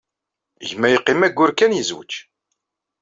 Gma yeqqim ayyur kan, yezweǧ.